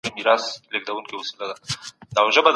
د زده کړې مېتودونه پر نویو لارو چارو نه وو ولاړ.